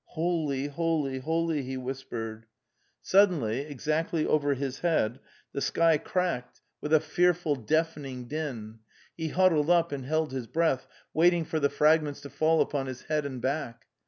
' Holy, holy, holy!' he whispered. Suddenly, exactly over his head, the sky cracked 276 The Tales of Chekhov with a fearful deafening din; he huddled up and held his breath, waiting for the fragments to fall upon his head and back.